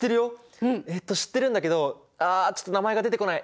えっと知ってるんだけどあちょっと名前が出てこない。